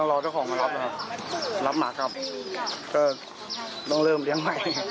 รอเจ้าของมารับนะครับรับหมาครับก็ต้องเริ่มเลี้ยงใหม่